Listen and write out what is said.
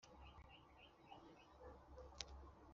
none se niba umusirikari